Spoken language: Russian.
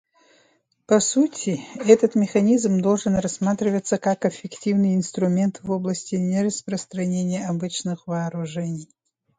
По сути, этот механизм должен рассматриваться как эффективный инструмент в области нераспространения обычных вооружений.